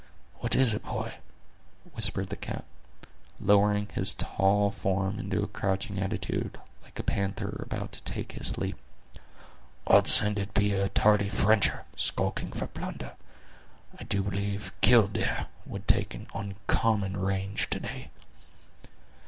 "What is it, boy?" whispered the scout, lowering his tall form into a crouching attitude, like a panther about to take his leap; "God send it be a tardy Frencher, skulking for plunder. I do believe 'killdeer' would take an uncommon range today!"